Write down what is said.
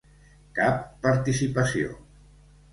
Cap participació.